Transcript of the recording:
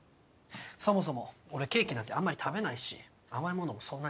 そもそも俺ケーキなんてあんまり食べないし甘いものもそんなに。